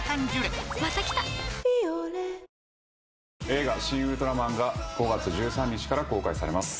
映画『シン・ウルトラマン』が５月１３日から公開されます。